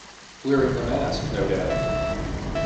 Wearing the mask, no doubt.